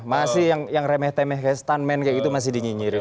masih yang remeh temeh kayak stuntman kayak gitu masih dinyinyirin